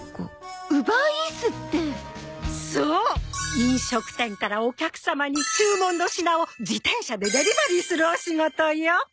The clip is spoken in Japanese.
飲食店からお客様に注文の品を自転車でデリバリーするお仕事よ！